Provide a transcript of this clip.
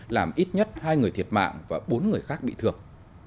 làm ít nhất hai người thiệt mạng và bốn người khác bị thương